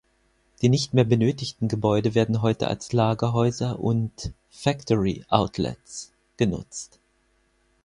Die nicht mehr benötigten Gebäude werden heute als Lagerhäuser und „Factory Outlets“ genutzt.